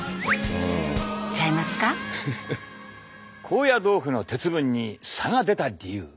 高野豆腐の鉄分に差が出た理由。